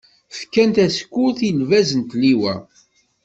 Fkan tasekkurt, i lbaz n tliwa.